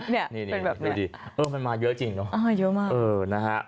เนี่ยเป็นแบบไหนเออมันมาเยอะจริงเนอะอ่อเยอะมากเออนะฮะ